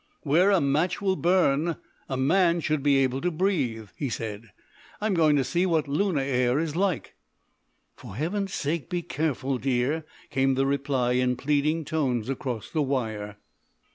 "Where a match will burn a man should be able to breathe," he said. "I'm going to see what lunar air is like." "For Heaven's sake be careful, dear," came the reply in pleading tones across the wire.